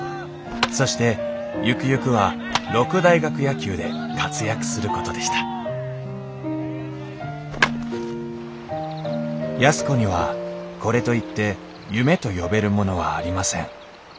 そしてゆくゆくは六大学野球で活躍することでした安子にはこれといって夢と呼べるものはありません。